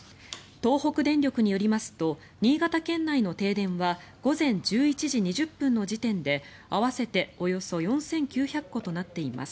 東北電力によりますと新潟県内の停電は午前１１時２０分の時点で合わせておよそ４９００戸となっています。